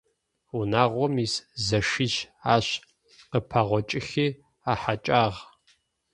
Унагъом ис зэшищ ащ къыпэгъокӏыхи ахьэкӏагъ.